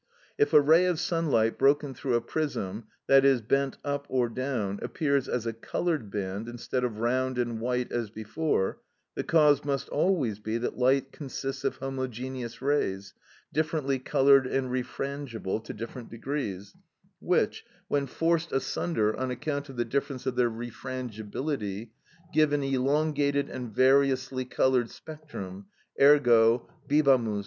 "If a ray of sunlight, broken through a prism, i.e., bent up or down, appears as a coloured band instead of round and white as before, the cause must always be that light consists of homogeneous rays, differently coloured and refrangible to different degrees, which, when forced asunder on account of the difference of their refrangibility, give an elongated and variously coloured spectrum: _ergo—bibamus!